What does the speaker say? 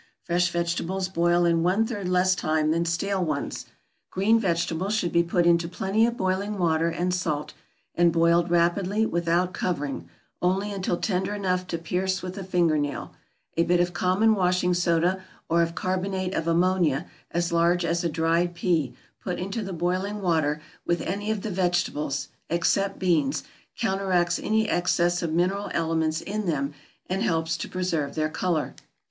Fresh vegetables boil in one third less time than stale ones. Green vegetables should be put into plenty of boiling water and salt, and boiled rapidly, without covering, only until tender enough to pierce with the finger nail; a bit of common washing soda, or of carbonate of ammonia, as large as a dried pea, put into the boiling water with any of the vegetables except beans, counteracts any excess of mineral elements in them, and helps to preserve their color.